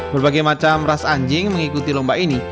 berbagai macam ras anjing mengikuti lomba ini